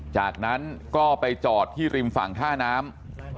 จากนั้นก็ไปจอดที่ริมฝั่งท่าน้ำ